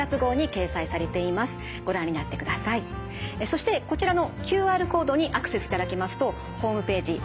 そしてこちらのＱＲコードにアクセスしていただきますとホームページ